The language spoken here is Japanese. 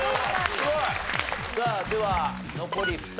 さあでは残り２人。